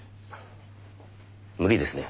無理ですね。